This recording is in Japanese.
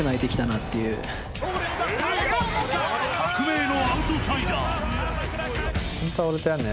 革命のアウトサイダー。